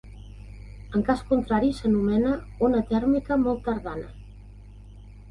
En cas contrari, s'anomena "ona tèrmica molt tardana".